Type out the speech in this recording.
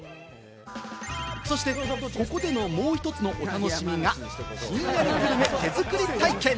そして、ここでのもう１つのお楽しみがひんやりグルメ手作り体験！